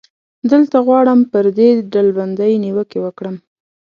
دلته غواړم پر دې ډلبندۍ نیوکې وکړم.